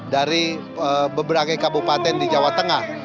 dari beberapa kabupaten di jawa tengah